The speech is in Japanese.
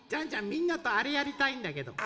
みんなとあれやりたいんだけど。